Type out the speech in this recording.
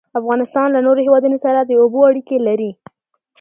افغانستان له نورو هیوادونو سره د اوبو اړیکې لري.